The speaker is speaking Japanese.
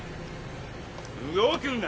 動くな！